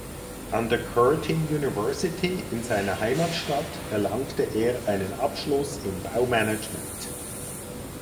An der Curtin University in seiner Heimatstadt erlangte er einen Abschluss in Baumanagement.